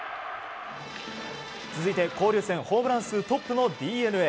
続いて交流戦ホームラン数トップのＤｅＮＡ。